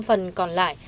phần còn lại